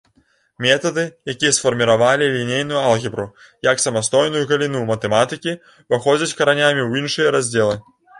Метады, якія сфарміравалі лінейную алгебру як самастойную галіну матэматыкі, уваходзяць каранямі ў іншыя раздзелы.